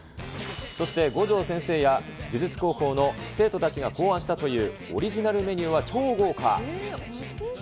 そして五条先生や呪術高校の生徒たちが考案したという、オリジナルメニューは超豪華。